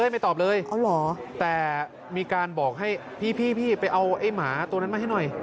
ไม่ตอบเลยแต่มีการบอกให้พี่ไปเอาไอ้หมาตัวนั้นมาให้หน่อย